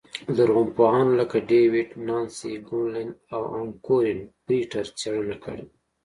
لرغونپوهانو لکه ډېوېډ، نانسي ګونلین او ان کورېن فرېټر څېړنه کړې